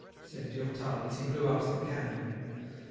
said Durtal, as he blew out the candle.